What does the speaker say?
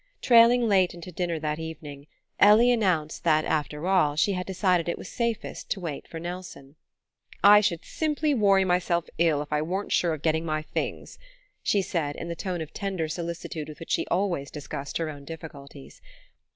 Trailing late into dinner that evening, Ellie announced that, after all, she had decided it was safest to wait for Nelson. "I should simply worry myself ill if I weren't sure of getting my things," she said, in the tone of tender solicitude with which she always discussed her own difficulties.